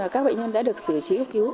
các bệnh nhân đã được xử trí cấp cứu